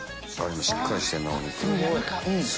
しっかりしてんなお肉。